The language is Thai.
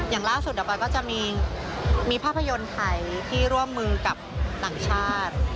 อย่างล่าสุดเดี๋ยวปอยก็จะมีภาพยนตร์ไทยที่ร่วมมือกับต่างชาติ